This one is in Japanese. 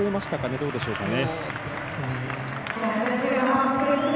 どうでしょうかね。